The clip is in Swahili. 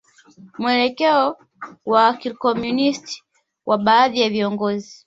Mwelekeo wa kikomunisti wa baadhi ya viongozi